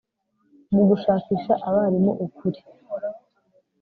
mugushakisha abarimu ukuri